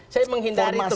saya menghindari terus